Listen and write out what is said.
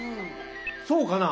そうかな？